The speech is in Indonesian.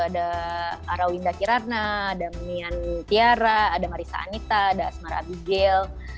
ada arawinda kirana ada mian tiara ada harisa anita ada asmara abigail